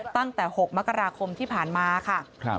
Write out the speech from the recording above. ตั้งแต่๖มกราคมที่ผ่านมาค่ะ